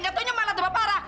gak taunya mana tambah parah